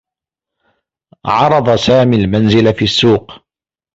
عرض سامي المنزل في السّوق.